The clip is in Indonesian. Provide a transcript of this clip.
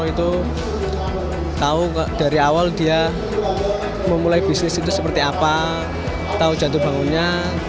itu tahu dari awal dia memulai bisnis itu seperti apa tahu jatuh bangunnya